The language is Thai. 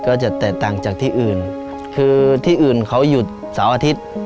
ก็จะแตกต่างจากที่อื่นคือที่อื่นเขาหยุดเสาร์อาทิตย์